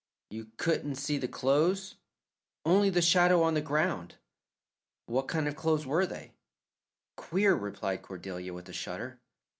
"You couldn't see the clothes?" "Only the shadow on the ground." "What kind of clothes were they?" "Queer," replied Cordelia, with a shudder.